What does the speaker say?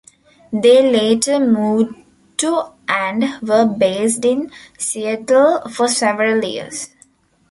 They later moved to and were based in Seattle for several years.